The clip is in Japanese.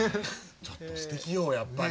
ちょっとすてきよやっぱり。